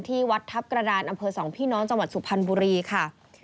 ที่วัดทัพกระดานอำเภอสองพี่น้องจังหวัดสุพรรณบุรีค่ะ